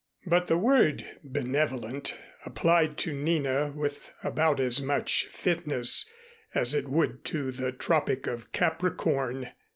But the word benevolent applied to Nina with about as much fitness as it would to the Tropic of Capricorn.